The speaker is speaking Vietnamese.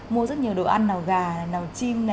mua rất nhiều đồ ăn nào gà nào chim